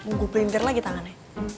bunggu pelintir lagi tangannya